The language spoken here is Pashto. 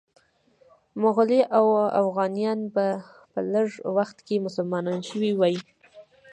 مغولي اوغانیان به په لږ وخت کې مسلمانان شوي وي.